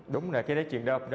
đúng là cái chuyện đó